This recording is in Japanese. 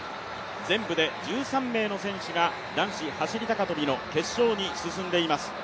全部で１３名の選手が男子走高跳の決勝に進んでいます。